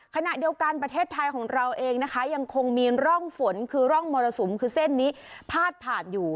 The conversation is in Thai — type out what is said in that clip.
ขณะเดียวกันประเทศไทยของเราเองนะคะยังคงมีร่องฝนคือร่องมรสุมคือเส้นนี้พาดผ่านอยู่